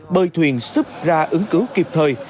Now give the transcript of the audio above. bơi thuyền xúp ra ứng cứu kịp thời